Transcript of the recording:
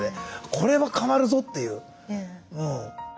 これは変わるぞっていう。